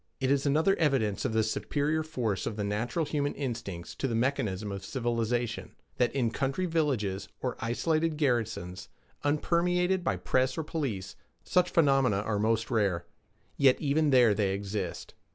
It is another evidence of the superior force of the natural human instincts to the mechanism of civilization, that in country villages or isolated garrisons, unpermeated by press or police, such phenomena are most rare. Yet even there they exist.